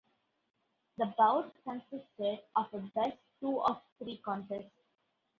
The bout consisted of a best-two-of-three contest.